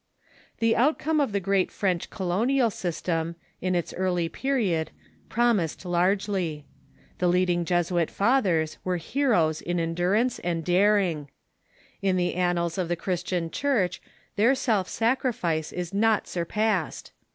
The outcome of the great French colonial system, in its early period, promised largely. The leading Jesuit fathers The Outcome "^^'^^'G heroes in endurance and daring. In the an of the French nals of the Christian Church their self sacrifice is Colonial System ^^^^ surpassed.